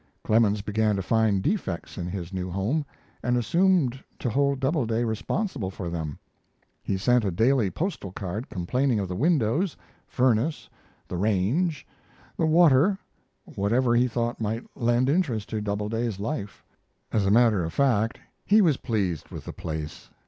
Clemens began to find defects in his new home and assumed to hold Doubleday responsible for them. He sent a daily postal card complaining of the windows, furnace, the range, the water whatever he thought might lend interest to Doubleday's life. As a matter of fact, he was pleased with the place.